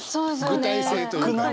具体性というか。